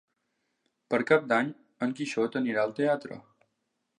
Per Cap d'Any en Quixot anirà al teatre.